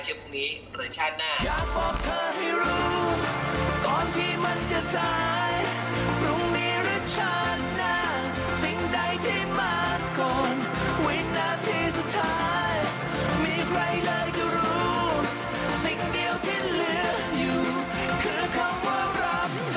เชื่อว่าพรุ่งนี้หรือชาติหน้า